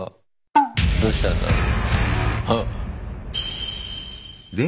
どうしたんだろう。